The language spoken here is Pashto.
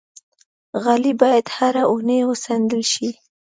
غالۍ باید هره اونۍ وڅنډل شي.